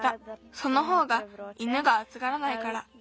そのほうが犬があつがらないから。